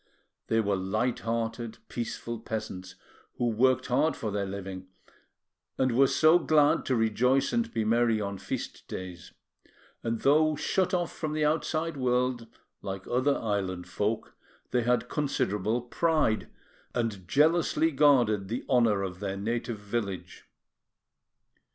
They were light hearted, peaceful peasants, who worked hard for their living, and so were glad to rejoice and be merry on feast days; and though shut off from the outside world, like other island folk, they had considerable pride, and jealously guarded the honour of their native village.